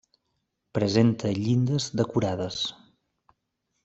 Presenta llindes decorades.